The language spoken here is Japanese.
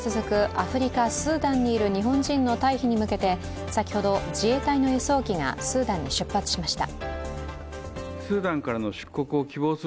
アフリカ・スーダンにいる日本人の退避に向けて先ほど自衛隊の輸送機がスーダンに出発しました。